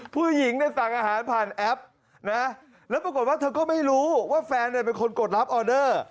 ผู้หญิงเนี่ยสั่งอาหารผ่านแอปนะแล้วปรากฏว่าเธอก็ไม่รู้ว่าแฟนเป็นคนกดรับออเดอร์